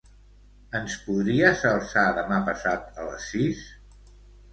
Ens podries alçar demà passat a les sis?